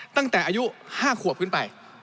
ตั้งแต่อายุ๕ขวบขึ้นไป